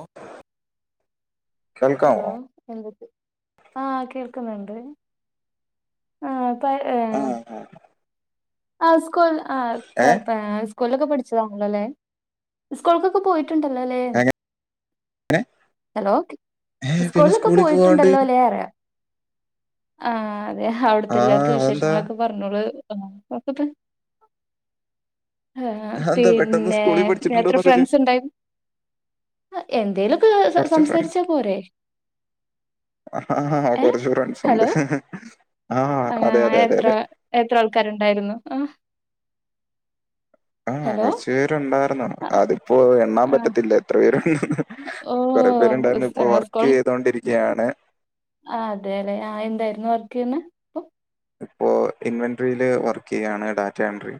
ഓ, hello കേൾക്കാമോ എന്തുട്ട് ആഹ് കേൾ ക്കുന്നുണ്ട് ആഹ് പ്പ ആ ഏഹ് ആ. ആ സ്കൂൾ ആ ഏ [unintelligible] സ്കൂളൊക്കെ പഠിച്ച [unintelligible] ല്ലേ സ്കൂൾക്കൊക്കെ പോയി ട്ട്ണ്ട്ല്ലലേ അങ്ങനെ ഹലോ ഏ പിന്നെ സ്കൂളിലൊക്കെ സ്കൂളിൽ പോവാണ്ട് പോയിട്ടുണ്ടല്ലോ ല്ലേ അറിയ ആഹ് ഏഹ് ആ അവിടുത്തുള്ളൊൾക്ക് അതെന്താ വിശേഷങ്ങളൊക്കെ പറഞ്ഞോളൂ നോക്കട്ടെ ആ അതെന്താ പെട്ടെന്ന് പിന്നെ സ്കൂളിൽ പഠിച്ചിട്ടുണ്ടോ എത്ര എന്നൊക്കെ ചോ- ഫ്രണ്ട്സ് ഉണ്ടായി എന്തേലൊക്കെ കുറച്ച് ഫ്രണ്ട്സ് സംസാരിച്ചാ പോരെ ആ ഏ കുറച്ച് ഫ്രണ്ട്സ് ഉണ്ട് ഹലോ ആ അതെ അതെ അതെ എത്ര അതെ എത്ര ആൾക്കാര് ണ്ടായിരുന്നു ആ ആഹ് കൊറച്ച് പേരുണ്ടായിരുന്നു. ആഹ് അതിപ്പോ പറ്റത്തില്ലാ എത്ര പേര് കൊറേ പേരുണ്ടായിരുന്നു ഇപ്പോ ഓഹ് വർക്ക് സ്കൂൾ ചെയ്തോണ്ടിരിക്കയാണ് ആ അതെ അതെ ആഹാ എന്തായിരുന്നു വർക്ക് ചെയ്യണേ ഇപ്പോ ഇൻവെൻടറിയില് വർക്ക് ചെയ്യാണ് ഡാറ്റ എൻട്രി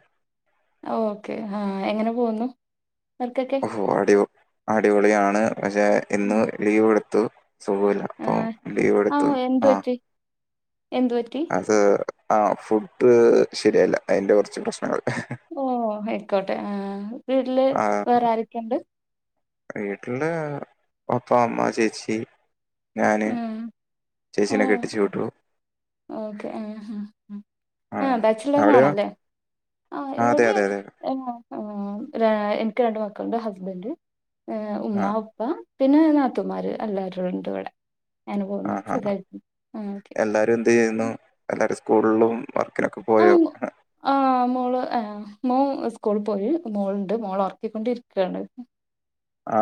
ഓക്കെ ആഹ് എങ്ങനെ പോന്നു ഓഹ് അടി അടിപൊളിയാണ് പക്ഷെ ആ ഇന്ന് ലീവ് എടു ന്തോ സുഖയില്ലാ അപ്പോ ലീവ് ആ എടുത്തു ഓ എന്ത് ആഹാ പറ്റി എന്ത് പറ്റി ആ ഫുഡ് ശരിയായില്ല അതിന്റെ കുറച്ച് പ്രശ്നങ്ങൾ ഓ ആയിക്കോട്ടെ ആ വീട്ടില് ആ വേറെ ആരൊക്കെണ്ട് വീട്ടില് പപ്പാ അമ്മാ ചേച്ചി ഞാന് ആ ഓ ചേച്ചിനെ കെട്ടിച്ച് വിട്ടു ഓക്കെ ആ ആ ബാച്ച്ലറ അവിടെയോ? ആണല്ലേ ആ അതെ ഇവിടെ അതെ അതെ. എനിക്ക് രണ്ട് മക്കളുണ്ട് ഹസ്ബന്ഡ് ആ ഉമ്മ ഉപ്പ പിന്നെ നാത്തുമാര് അല്ലാവരു ഉണ്ട് ഇവിടെ ഞനു ആ പോവുന്നു സുഖായിരിന്നു ആ ഓ ക്കെ ന്ത്യ്യുന്നു എല്ലാ സ്കൂളിലും വർക്കിനൊക്കെ പോയോ ആ ഹ് ആ മോള് ആ മോ സ്കൂൾ പോയി മോളുണ്ട് മോളെ ഒറക്കിക്കൊണ്ടി രിക്കാണ് ആ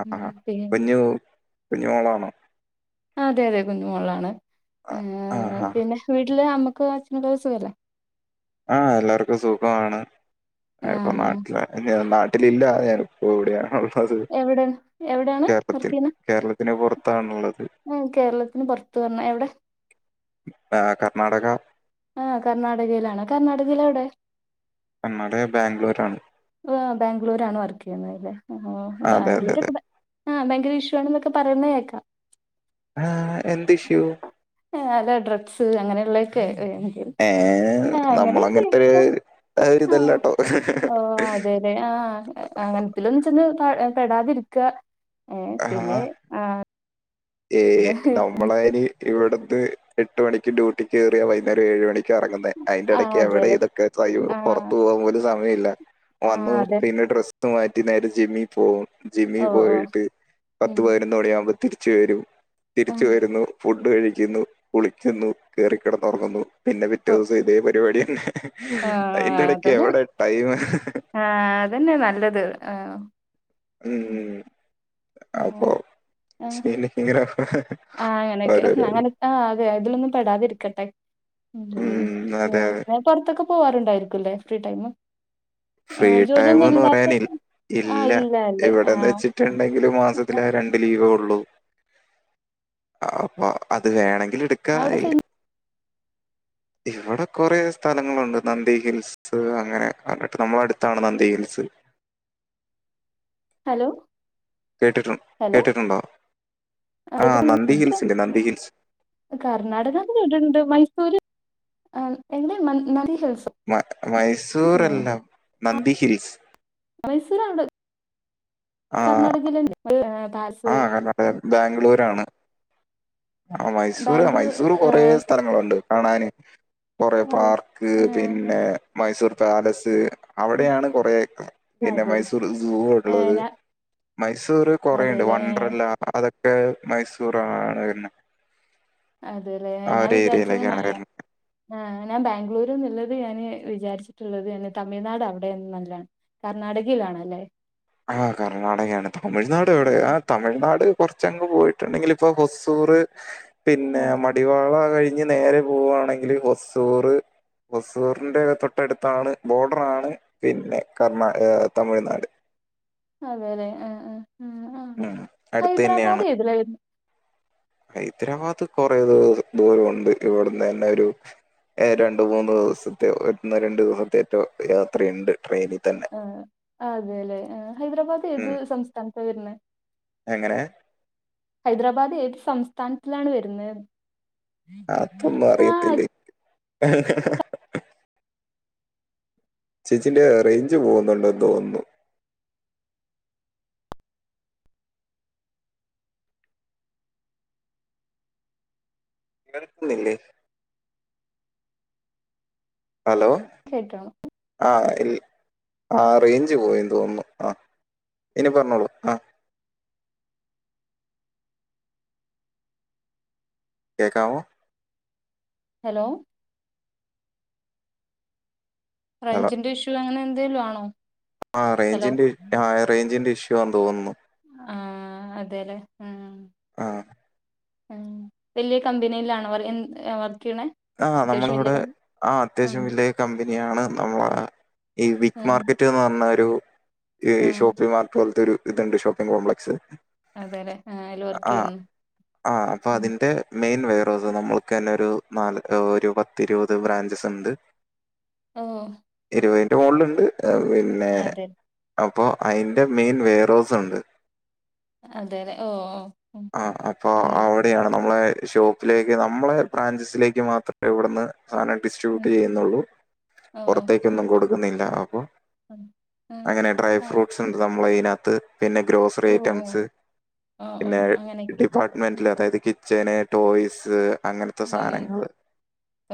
അ ഉം. ആ പിന്നെ പ്പെഞ്ഞി ഉ കുഞ്ഞിമോളാണോ അതെതെ കുഞ്ഞുമോളാണ് ആ ആ പിന്നെ വീട്ടില് അമ്മക്ക് ക്കെ അച്ഛനും സുഖല്ലേ ആ എല്ലാർക്കും സുഖാണ് ആ, ഞായിപ്പൊ നാട്ടിലാ എന്നിരുന്നാൽ തില്ലാതെ എർപ്പോവ്ട്യാ ഔ എവിടേണ് എവിടെയാണ് വർക്കെയ്യ്ന്നെ ത്താണുള്ളത് ഉം കേരളത്തിന് പൊർത്ത്ർഞ്ഞ് എവ്ടെ ആ കർണാടക ആ കർണാടകയിലാണ് കർണാടകയിലെവ്ടെ കണ്ണാട് ബാഗ്ലൂരാണ് ആ ബാഗ്ലൂരാണ് വർക്കെയ്യ്ന്നെലെ ആ അതെ അതെ അതെ ബാഗ്ലൂരൊക്കെ ഭ ആ ഭയങ്കര ഇഷ്യു ആണ്ന്നൊക്കെ പറയ്ന്നെ ഏക്കാ ആ എന്ത് ഇഷ്യു? അ അല്ല ഡ്രഗ്സ് അങ്ങനെയ്ള്ളെക്കെ വേണെങ്കില് ഏ ആ അങ്ങനെ നമ്മളങ്ങനത്തെ ഒരു [unintelligible] ഒരു ആ ഇതല്ല കേട്ടോ ഓ അതേലെ ആ അങ്ങ്ൻത് ലൊന്നും ചെന്ന് പാ പെടാതിര്ക്കാ ഏ ആ പിന്നെ ആ ഏ നമ്മളയ്ന് ഇവിട് ന്ന് എട്ട് മണിക്ക് ഡ്യൂട്ടിക്കേറിയ വൈന്നേരം ഏഴ് മണി ക്കറെങ്ങ്ന്നേ ആ അയ്ന്റെടക്ക് എവടെ അതെല്ലെ ഇതൊക്കെ തൈമ് ആഹ് പാെറത്ത് പോവാം പോലും സമ പോയില്ല ആഹ് വന്നു അതെ പിന്നെ ഡ്രസ്സ്‌ ത്ത് മാറ്റി നേരെ ജിമ്മി പോവും ജിമ്മി ഓ ഓ പോയിട്ട് പത്ത് ഉം പതിനൊന്ന് മണിയാമ്പോ തി ച്ച് വരൂ തിരിച്ചു ആഹ് വരുന്നു ഫു ഡ് കഴിക്കുന്നു കുളിക്കുന്നു കേറിക്കെടന്നൊറങ്ങുന്നു പിന്നെ പിറ്റേ ദിവസം ഇതേ പരിപാടി തന്നെ ആ അതിന്റെ ഇടയ്ക്ക് അതന്നെ എവിടെ ടൈം ആ അതന്നെ നല്ലത് ആ ഉം അപ്പൊ [unintelligible] ആ അങ്ങനക്കെ അങ്ങനെ ആ അതെ അതിലൊന്നും പെടാതിരിക്കട്ടെ ഉം അതെ അതെ പിന്നെ പൊറത്തൊക്കെ പോവാറു ണ്ടാരിക്കുല്ലേ ഫ്രീ ടൈമ് ഫ്രീ ടൈം എന്ന് പറയാന് ആഹ് ഇല്ല അല്ലേ എവിടെന്ന് ആഹ് വെച്ചിട്ടുണ്ടെങ്കില് മാസത്തില് രണ്ട് ലീവേള്ളു അപ്പൊ അത് വേണെ ഇല്ലാ അവിടെ ഫെ എടുക്കായില്ല ഇവിടെ കൊറേ സ്ഥലങ്ങളുണ്ട് നന്ദി ഹിൽസ് അങ്ങനെ അ നമ്മുടെ അടുത്താണ് നന്ദി ഹിൽസ് ഹലോ കേട്ടിട്ടുണ്ട് ഹലോ [inaudible] കേട്ടിട്ടുണ്ടോ ആ നന്ദി ഹിൽസ് ഇല്ലേ നന്ദി ഹിൽസ് കർണാടകാന്ന് കേട്ടിണ്ട് മൈസൂര് ആ എങ്ങനെ [inaudible] മ മൈസൂറല്ല നന്ദി ഹിൽസ് മൈസൂർ ആണ് ആ കർണാടകയി [unintelligible] ആ കർണാടക ബാംഗ്ലൂരാണ് ആ മൈസൂര് ബാംഗ്ലൂർ മൈസൂര് കൊറേ സ്ഥലങ്ങളൊണ്ട് കാണാന് കൊറേ ആഹ് പാർക്ക് ആഹ് പിന്നെ മൈസൂർ പാലസ് അവിടെയാണ് കൊറെ പിന്നെ അതെല്ലേ മൈസൂർ സൂ ഏഹ് ഉള്ളത് മൈസൂർ കൊറേ ഇണ്ട് അതെല്ലേ വണ്ടർല്ലാ അതൊ ക്ക മൈസൂർ ആണ് പിന്ന അതേല്ലേ ഞാൻ വിചാരിച്ചത് [inaudible] ഏരിയയിലേക്കാണ് വരുന്നത് ഞാൻ ബാംഗ്ലൂരുന്നുള്ളത് ഞാന് വിചാരിച്ചിട്ടുള്ളത് [unintelligible] തമിഴ്നാട് അവിടെ [unintelligible] കർണ്ണാടകയിലാണല്ലേ ആ കർണാടകയാണ് തമിഴ്നാട് എവിടെയാ ആ തമിഴ്നാട് കുറച്ചങ്ങ് പോയിട്ടുണ്ടെങ്കില് ഇപ്പോ ഹുസൂർ പിന്നെ ആ, മടിവാള കഴിഞ്ഞ് നേരെ പോവുകവാണെങ്കില് ഹസൂർ ഹസൂറിന്റെ തൊട്ടടുത്താണ് ബോർഡറാണ് പിന്നെ കർണാ തമിഴ്നാട് അതെ ല്ലെ ആ അ ഉം അടുത്തന്നെയാണ് ഏതിലാ വരുന്നേ ഹൈദരാബാദ് കുറെ ദൂരൊണ്ട് ഇവിടുന്ന് തന്നെ ഒരു രണ്ട് മൂന്ന് ദിവസത്തെയോ ഒന്ന് രണ്ടു ദിവസത്തറ്റോ യാത്രയുണ്ട് ട്രെയിനിൽ തന്നെ. ആ അതെലേ ആ ഹൈദരാബാദ് ഏത് ഉം. സംസ്ഥാനത്ത് വരുന്നെ എങ്ങനെ ഹൈദരാബാദ് ഏത് സംസ്ഥാനത്തിലാണ് വരുന്നേന്ന് ആ അതൊന്നും അറിയത്തില്ലേ ആ ചേച്ചിന്റെ റേഞ്ച് പോകുന്നുണ്ടെന്ന് തോന്നുന്നു കേൾക്കുന്നില്ലേ ഹലോ കേട്ടോ ആ ഇല്ല ആ റേഞ്ച് പോയിന്ന് തോന്നുന്നു ആ ഇനി പറഞ്ഞോളൂ ആ കേക്കാവോ ഹലോ ഹലോ റെയ്ഞ്ചിന്റെ ഇഷ്യൂ അങ്ങനെ എന്തലും ആണോ ആ ഹലോ റേഞ്ചിന്റെ ആ റേഞ്ചിന്റെ ഇഷ്യൂ [inaudible] ക്കുവാൻ തോന്നുന്നു ആഹ അതെല്ലേ ഉം ആ ഉം വല്യ കമ്പനിയിലാണോ അവർ ആ നമ്മളിവിടെ ആ അത്യാവശ്യം വലിയ കമ്പനിയാണ് നമ്മള് ഈ ആ ബിഗ് മാർക്കറ്റ്ന്ന് പറഞ്ഞ ഒരു ഈ ആ ആ ഷോപ്പിംഗ് മാർട്ട് പോലത്തൊരു ഇതുണ്ട് ഷോപ്പിങ് കോംപ്ലക്സ് അതെലേ ആ അതിൽ വർക്ക് ആ ചെയുന്നു ആ അപ്പൊ ഉ അതിന്റെ മെയിൻ വൈറോസ് നമ്മൾക്ക് തന്നെ ഒരു നാൽ ഒരു പത്തിരുപത് ബ്രാഞ്ചസ് ഉണ്ട് ഓ ഉം ഇരുപതിന്റെ മുകളിലുണ്ട് പിന്നെ അതെ അപ്പോൾ അതിന്റെ മെയിൻ വേറോസ് ഉണ്ട് അതെലേ ഓ ഓ ഉം ആ അപ്പൊ അങ്ങനെ അവിടെയാണ് നമ്മളെ ഷോപ്പിലേക്ക് നമ്മളെ ബ്രാഞ്ചസിലേക്ക് മാത്രേ ഇവിടുന്ന് സാധനം ഡിസ്ട്രിബ്യൂട്ട് ഉം ചെയ്യുന്നുള്ളൂ ഓ ഓ പുറത്തേക്കൊന്നും ഓക്കെ കൊടുക്കുന്നില്ല അപ്പൊ ഉം ഉം അങ്ങനെ ഡ്രൈ ആ ഫ്രൂട്ട്സ് ഉണ്ട് നമ്മൾ അതിനകത്ത് ത്ത് പിന്നെ ഗ്രോസറി ഓ ഓ ഐറ്റംസ് ഓ ഓ പിന്നെ അങ്ങനെയൊക്കെ ഡിപ്പാർട്ട്മെന്റില് അതായത് കിച്ചൻ ടോയ്സ് അങ്ങനത്തെ മ് മ് സാധനങ്ങള്.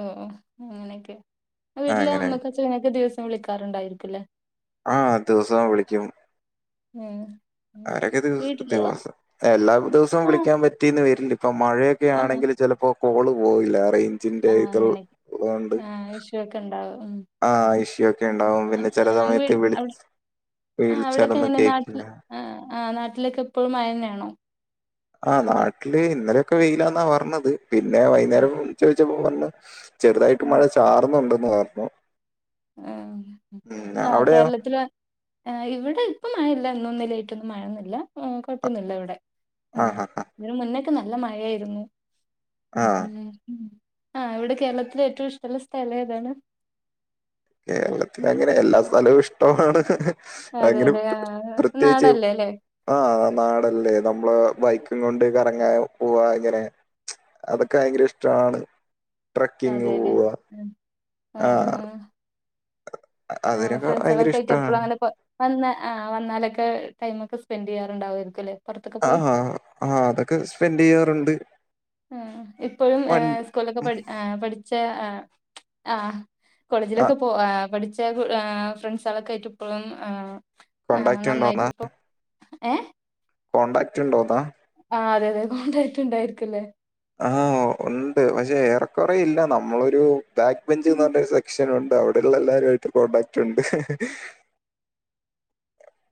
ഓ അങ്ങനെക്കെ വീട്ടിലെ അങ്ങനെ. അമ്മേം അച്ഛനൊക്കെ ദിവസം വിളിക്കാറുണ്ടായിരിക്കുല്ലേ ആഹ് ദിവസം വിളിക്കും ഉം ഉം അവരൊക്കെ ദിവസ വീട്ടില് ദിവസം എല്ലാ ദിവസവും ആ വിളിക്കാൻ പറ്റി [unintelligible] മഴേക്കെ ആ ആണെങ്കില് ചെലപ്പോ കോള് പോവില്ലാ ആരെങ്കിലും ആഹ് അങ്ങനെ ആഹ് ഇഷ്യു ക്കെണ്ടാവും ആ ഇഷ്യൂ ഒക്കെ ഉണ്ടാവും. പിന്നെ ചില മ് ആഹ് വീട്ടി സമയത്ത് വിളി അവിടെക്കെ വിളിച്ചാലൊന്നും എങ്ങനെ കേക്കില്ല. നാട്ടിൽ ആഹ് ആ നാട്ടിലൊക്കെ എപ്പോഴും മഴനാണോ ആഹ് നാട്ടില് ഇന്നലെക്കെ വെയ്ലാന്നാ പറഞ്ഞത്. പിന്നെ ആഹ് വൈന്നേരം വിളിച്ച് ചോയ്ച്ചപ്പോ [unintelligible] ചെറ്തായിട്ട് മഴ ചാറ്ന്ന്ണ്ട് മാർണോ ആഹ് ആഹ് അവിടെയോ? കേരളത്തില് ആഹ് ഇവിടെ ഇപ്പം മഴല്ല ഇന്നൂന്നലായിറ്റൊന്നും മഴൊന്നില്ല മ് കുഴപ്പൊന്നുമില്ല ഇവിടെ ആഹ് ഇതിന് മുന്നേ നല്ല മഴയായിര്ന്നു ആഹ് ആഹ് ഇവിടെ കേരളത്തിലെ ഏറ്റവും ഇഷ്ട്ടള്ള സ്ഥലേതാണ് കേരളത്തില് അങ്ങനെ എല്ലാ സ്ഥലവും ഇഷ്ട്ടമാണ്. അങ്ങനെ അതെല്ലേ ആഹ് പ്രത്യേകിച്ച് നാടല്ലേ അല്ലേ ആഹ് നാടല്ലേ നമ്മളെ [unintelligible] കൊണ്ട് കറങ്ങാ പോവാ ഇങ്ങനെ അതൊക്കെ ഭയങ്കര ഇഷ്ട്ടാണ്. ട്രക്കിങ് അതെല്ലേ പോവാ ആഹ് ആഹ് ആഹ് അതിനൊക്കെ ഭയങ്കര ഫ്രണ്ട്സുകളൊക്ക ആയിട്ട് എപ്പോഴും ഇഷ്ടാണ്. അങ്ങനെ വന്ന ആഹ് വന്നാലൊക്കെ ടൈം ഒക്കെ സ്പെന്റ് ചെയ്യാറ്ണ്ടാവായിരിക്കുല്ലേ ആഹ് ആാഹ് ആഹ് അതൊക്കെ സ്പെന്റ് ചെയ്യാറ്ണ്ട് ആഹ് ഇപ്പഴും ഏ സ്കൂളൊക്കെ പഠി പഠിച്ച ആഹ് ആഹ് കോളേജിലൊക്കെ പോ പഠിച്ച ഫ്രണ്ട്സാളൊക്കായിട്ട് ഇപ്പളും ആഹ് കോണ്ടാക്ട് നന്നാറ്റ്പ്പൊ ഏ കോൺടാക്റ്റ് ഉണ്ടോതാ ആ അതെ അതെ കോൺടാക്ട് ഉണ്ടായിരിക്കല്ലേ ആഹ് ഉണ്ട് പക്ഷെ ഏറെക്കുറെ ഇല്ല നമ്മളൊരു ബാക്ക് ബെഞ്ച് ന്നൊരു സെക്ഷനു അവിടെള്ള എല്ലരായിട്ട് കോണ്ടാക്റ്റ് ഇണ്ട്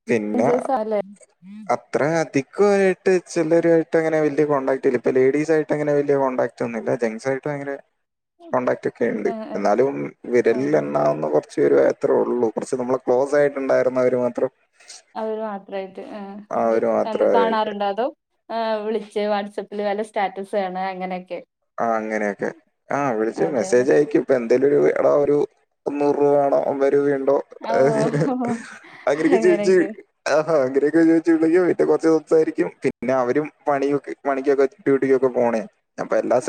പിന്നെ ചേഴ്സ് ആല്ലേ അത്രത്തി ക്കുയിട്ട് ചിലരായിട്ടങ്ങനെ വല്യ കോണ്ടാക്ട് ഇല്ല ഇപ്പ ലേഡീസ് ആയിട്ട് അങ്ങനെ വലിയ കോണ്ടടാക്ട് ഒന്നുമില്ല ജെൻറ്സായിട്ടും അങ്ങനെ കോൺടാക്ട് ഒക്കെ ഉണ്ട് ആ എന്നാലും ആ ആ ആ. വിരലിലെണ്ണാവുന്ന കൊറ ച്ച് പേര് അത്രേ ഉള്ളൂ കുറച്ച് നമ്മള് ക്ലോസ് ആയിട്ടുണ്ടായിരുന്നവർ മാത്രം അവര് മാത്രമായിട്ട് അവർ ഏ മാത്രമായിട്ട് കാണാറുണ്ടോ അതോ വിളിച്ച് വാട്സആപ്പ് ല് വല്ല സ്റ്റാറ്റസ് ആണ് അങ്ങനെയൊക്കെ ആ അങ്ങനെയൊക്കെ ആഹ വിളിച്ച് അതെ അല്ലെ മെസ്സേജ് അയക്കും ഇപ്പൊ എന്തേലും എടാ ഒരു മുന്നൂറ് രൂപ വാണോ ഓ രൂപണ്ടോ ഓ അങ്ങനെയൊക്കെ ചേഞ്ച്‌ ചെയ്യും ആ ആഹ് അനെയൊക്കെ ചോദിച്ചിട്ടുള്ളോ കുറച്ച് സംസാരിക്കും പിന്നെ അവരും പണിയെ പണിക്കൊക്കെ ഡ്യൂട്ടി ക്കൊക്കെ പോണല്ലേ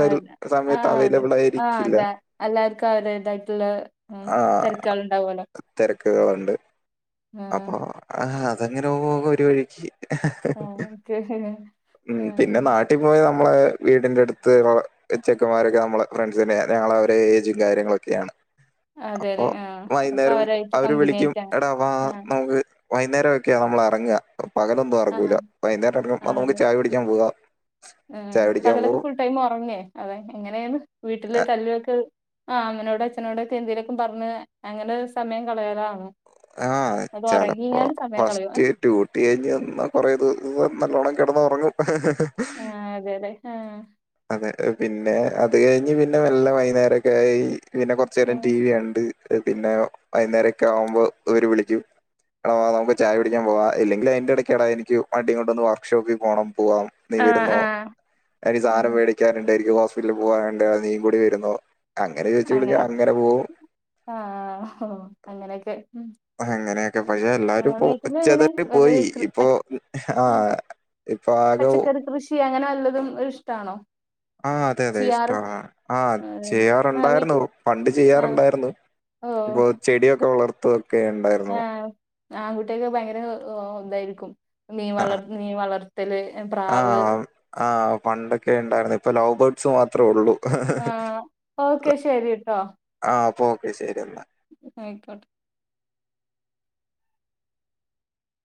അതെ ആഹ അതെ ആഹ ആയിരിക്കില്ല. അതെ എല്ലാവർക്കും അവരുതായിട്ടുള്ള തിരക്കേള് ഉണ്ടാവല്ലോ ക്കേലുണ്ട് അപ്പൊ ആ ഹാ അങ്ങനോ ഒരു വഴിക്ക് ആ ഓക്കെ ഉം ആ പിന്നെ നാട്ടിൽ പോയാ നമ്മളെ വീടിന്റെ അടുത്ത് വ ള ചെ ക്കന്മാരൊക്കെ നമ്മളെ ഫ്രണ്ട്സിന്റെ ഞങ്ങള അവരുടെ ഏജും കാര്യങ്ങളൊക്കെയാണ് അതെ അപ്പൊ അതെ ആ അപ്പൊ വൈകുന്നേരം അവരായിട്ട് കമ്പനിയായിട്ടാണ് ആ വര്‌ വൈന്നേരം ഒക്കെ നമ്മൾ അ റങ്ങ പകലൊന്നും അ ആ റങ്ങൂലാ വൈന്നേരം അറങ്ങി കൊ ണ്ട് ചായ കു ടിക്കാൻ പോവാ ഏ പകലൊക്കെ ഫുൾടൈം ഒറങ്ങേ അതെ എങ്ങനെയന്ന് വീട്ടില് തല്ലുവൊക്കെ ആ അമ്മനോട് അച്ഛനോട് ഒക്കെ എന്തേലൊക്കെ പറഞ്ഞ് അങ്ങനെ ഒരു സമയം കളയാറാണോ ആ ചിലപ്പോ കളയോ ഏ ഫസ്റ്റ് ഡ്യൂട്ടി കഴിഞ്ഞ് വന്നാ കൊറേ ദിവസം നല്ലോ കിടന്ന് ഉറങ്ങും ആ അതെ അതെ ആ പിന്നെ അത് കഴിഞ്ഞ് പിന്നെ ന ല്ല വൈന്നേരൊക്കെ ആയി പിന്നെ കുറച്ചേരം ഉം ടി വി കണ്ട് പിന്നെ വൈന്നേരൊ ക്കെകുമ്പോൾ അവർ വിളിക്കും വാ നമുക്ക് ചായ കു ടിക്കാൻ പോവാ ഇല്ലെങ്കിൽ അതിന്റെ ഇടയ്ക്ക് എടാ എനിക്ക് വ ണ്ടി കൊണ്ടെ നിക്ക് വർക്ക്ഷോപ്പക്ക് പോണം പോവാം നീ ആ വരുന്നോ ആ ആ സാനം വേടിക്കാന്ണ്ട് എനിക്ക് ഹോസ്പിറ്റല് പോവാന്ണ്ട് നീയും കൂടി വരുന്നോ? അങ്ങനെ ചോദിച്ചു വിളിച്ചു അങ്ങനെ പോവും ആ ഒ അങ്ങനൊക്കെ അങ്ങനെയൊക്കെ പക്ഷെ എല്ലാരും പ്പോ വീട്ടില് എങ്ങനെ ഉച്ചതട്ടി വല്ല പോയി കൃ പ ഇപ്പൊ ആഹ് ഇപ്പൊ ആകെ ചി അങ്ങനെ വല്ലതും ഒരിഷ്ടാണോ ആ അതെ അതെ ഇഷ്ട്ടാണ് ആഹ് ചെയാർ ആഹ് വീ ണ്ടായിര്ന്നു പണ്ട് ആഹ് ചെയ്യാറ്ണ്ടായിരുന്നു വോ ഓഹ് ചെടിയൊക്കെ വളർ [unintelligible] ക്കെണ്ടായിരുന്നു ആൺകുട്ട്യാക്ക് ഭയങ്കര ഒ തായിരിക്കും മീ വളർ മീ വളർ ആഹ് ആഹ് പണ്ട് ക്കെണ്ടായിര്ന്നു ഇപ്പ ലവ് ബേഡ്സ് മാത്ര ഒള്ളൂ ആഹ് ഓക്കെ ശരി ട്ടോ ഓകെ ശര്യന്നാ അയ്ക്കോട്ടെ